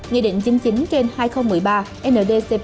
quy định chính chính trên hai nghìn một mươi ba